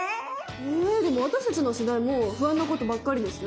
えでも私たちの世代も不安なことばっかりですよ。